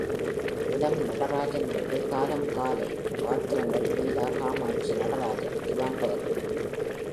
இடம் நடராஜன் வீடு காலம் காலை பாத்திரங்கள் லீலா காமாட்சி நடராஜன் திவான்பகதூர்.